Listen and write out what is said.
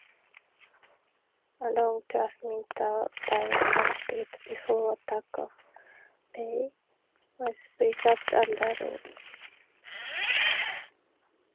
A long transmitter line was built before Tuckahoe Bay was preserved under law.